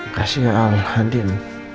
makasih ya alhadin